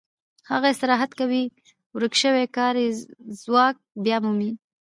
هغه استراحت کوي او ورک شوی کاري ځواک بیا مومي